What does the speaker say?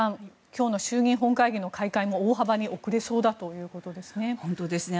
今日の衆議院本会議の開会が大幅に遅れそうだということですね。